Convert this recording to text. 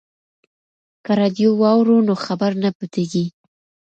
که راډیو واورو نو خبر نه پټیږي.